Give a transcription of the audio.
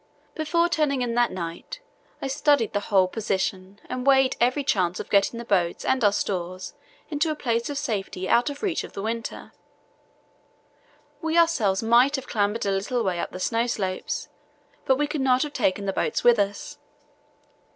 Before turning in that night I studied the whole position and weighed every chance of getting the boats and our stores into a place of safety out of reach of the water. We ourselves might have clambered a little way up the snow slopes, but we could not have taken the boats with us.